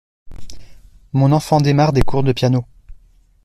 Mon enfant démarre des cours de piano.